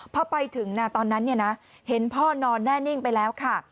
พอไปถึงตอนนั้นเห็นพ่อนอนแน่นิ่งไปแล้วค่ะ